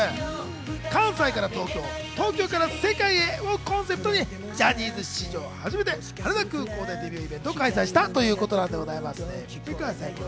関西から東京、東京から世界へをコンセプトにジャニーズ史上初めて羽田空港でデビューイベントを開催したということなんです。